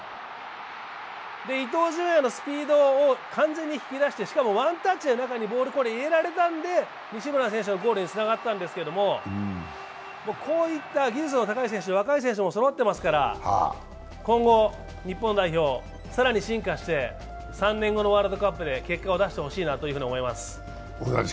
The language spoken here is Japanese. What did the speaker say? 伊東純也のスピードを完全に引き出してしかもワンタッチでボール中に入れられたんで西村選手のゴールにつながったんですけれども、こういった技術の高い選手若い選手もそろっていますから今後、日本代表、更に進化して３年後のワールドカップで結果を出してほしいなと思います。